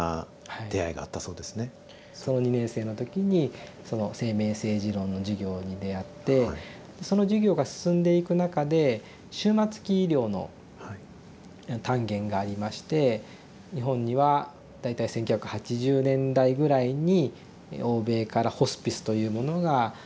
２年生の時に生命政治論の授業に出会ってその授業が進んでいく中で終末期医療の単元がありまして日本には大体１９８０年代ぐらいに欧米からホスピスというものが入ってきて。